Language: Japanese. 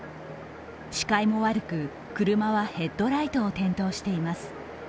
視界も悪く、車はヘッドライトを点灯しています。